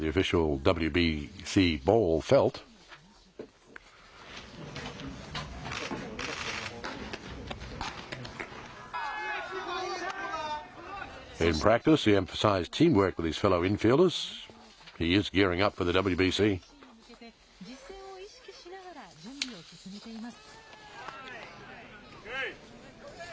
ＷＢＣに向けて、実戦を意識しながら準備を進めています。